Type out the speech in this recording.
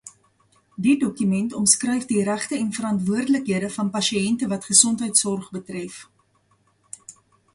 Dié dokument omskryf die regte en verantwoordelikhede van pasiënte wat gesondheidsorg betref.